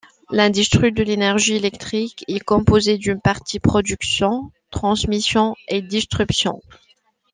L’industrie de l’énergie électrique est composée d’une partie production, transmission et distribution.